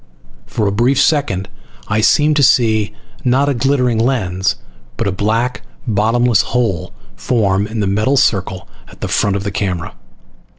For a brief second I seemed to see not a glittering lens but a black bottomless hole form in the metal circle at the front of the camera.